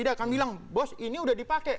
dia akan bilang bos ini udah dipakai